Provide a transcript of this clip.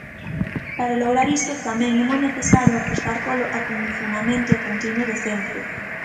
Para lograr iso, tamén é moi necesario apostar polo acondicionamento continuo do centro.